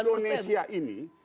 di indonesia ini